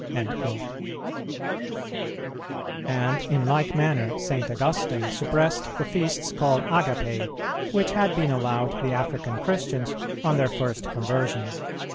"[378:1] And in like manner St. Augustine suppressed the feasts called Agapæ, which had been allowed the African Christians on their first conversion.